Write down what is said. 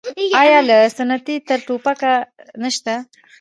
آیا له ستنې تر ټوپکه نشته؟